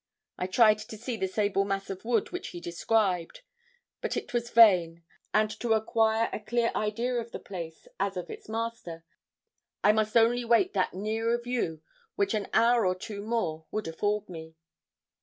I tried to see the sable mass of wood which he described. But it was vain, and to acquire a clear idea of the place, as of its master, I must only wait that nearer view which an hour or two more would afford me.